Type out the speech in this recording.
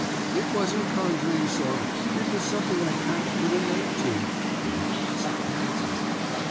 It wasn't conjuring, sir, it was something I can't put a name to, and it wasn't natural.